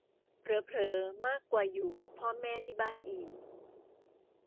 เผลอเผลอมากกว่าอยู่กับพ่อแม่ที่บ้านอีก